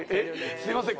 すいません